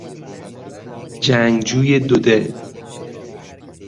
جنگجوی دودل